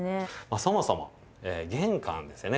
そもそも玄関ですよね